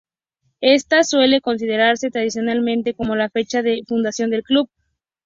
Esta suele considerarse tradicionalmente como la fecha de fundación del club.